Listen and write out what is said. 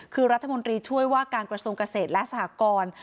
คือรัฐมนตรีช่วยว่าการกระทรวงเกษตรและสหกร